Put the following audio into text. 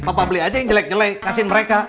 papa beli aja yang jelek jelek kasih mereka